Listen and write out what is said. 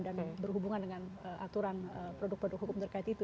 dan berhubungan dengan aturan produk produk hukum terkait itu